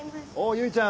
結ちゃん